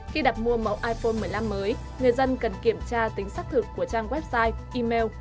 khi đặt mua mẫu iphone một mươi năm mới người dân cần kiểm tra tính xác thực của trang website email